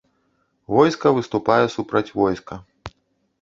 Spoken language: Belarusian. Войска выступае супраць войска.